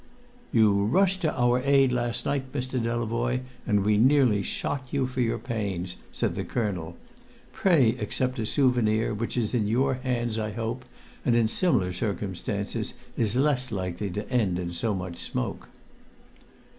"You rushed to our aid last night, Mr. Delavoye, and we nearly shot you for your pains!" said the colonel. "Pray accept a souvenir which in your hands, I hope, and in similar circumstances, is less likely to end in so much smoke."